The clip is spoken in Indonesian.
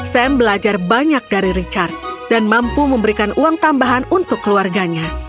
sam belajar banyak dari richard dan mampu memberikan uang tambahan untuk keluarganya